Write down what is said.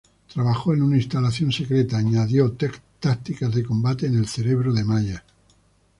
Trabajo en una instalación secreta, añadió tácticas de combate en el cerebro de Maya.